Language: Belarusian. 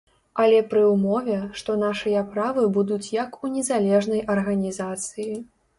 Але пры ўмове, што нашыя правы будуць як у незалежнай арганізацыі.